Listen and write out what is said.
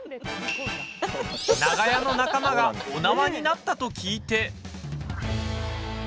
長屋の仲間がお縄になったと聞いて。